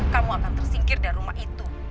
kamu akan tersingkir dari rumah itu